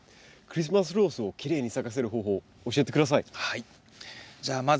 クリスマスローズをきれいに咲かせる方法を教えて下さい。